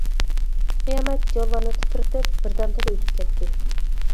قىيامەت جانلارنى تىترىتىپ، بىردەمدىلا ئۆتۈپ كەتتى.